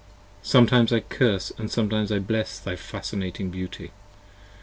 Sometimes I curse & sometimes bless thy fascinating beauty.